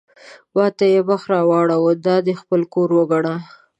ما ته یې مخ را واړاوه: دا دې خپل کور وګڼه.